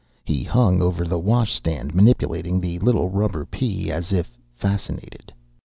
He hung over the washstand, manipulating the little rubber pea as if fascinated.